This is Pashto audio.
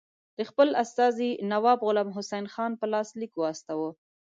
د خپل استازي نواب غلام حسین خان په لاس لیک واستاوه.